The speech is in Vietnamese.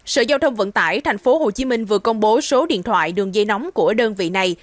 sở giao thông vận tải tp hcm vừa công bố số điện thoại đường dây nóng của đơn vị này